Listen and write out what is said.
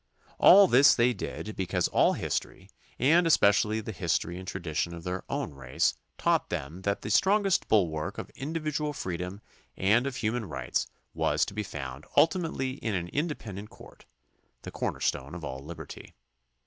All this they did because all history and especially the history and tradition of their own race taught them that the strongest bulwark of individual freedom and of human rights was to be found ulti mately in an independent court, the corner stone of all liberty.